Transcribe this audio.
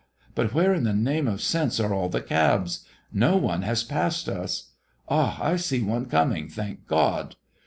But where in the name of sense are all the cabs? Not one has passed us. Ah, I see one coming, thank God!